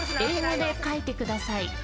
［英語で書いてください］